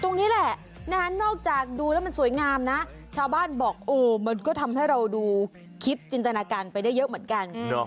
ตรงนี้แหละนอกจากดูแล้วมันสวยงามนะชาวบ้านบอกโอ้มันก็ทำให้เราดูคิดจินตนาการไปได้เยอะเหมือนกัน